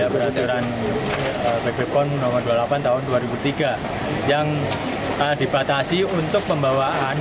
peraturan pp pon nomor dua puluh delapan tahun dua ribu tiga yang dibatasi untuk pembawaan